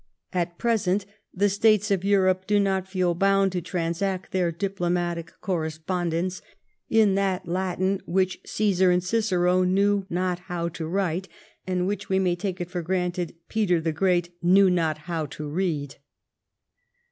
At present the States of Europe do not feel bound to transact their diplomatic corre spondence in that Latin which Caesar and Cicero knew not how to write, and which, we may take it for granted, Peter the Great knew not how to read.